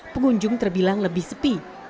pengunjung terbilang lebih sepi